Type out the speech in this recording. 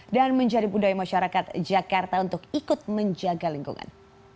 dan menjadi budaya masyarakat jakarta untuk ikut menjaga lingkungan